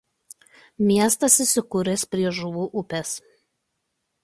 Miestas įsikūręs prie Žuvų upės.